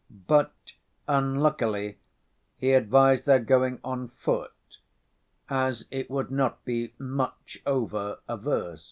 But, unluckily, he advised their going on foot, as it would not be "much over" a verst.